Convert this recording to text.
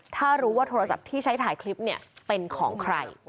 ถ้ารู้ว่าโทรศัพท์ที่ใช้ถ่ายคลิปเนี่ยเป็นของใคร